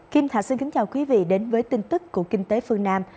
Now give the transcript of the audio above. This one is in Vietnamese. kim thạch xin kính chào quý vị đến với tin tức của kinh tế phương nam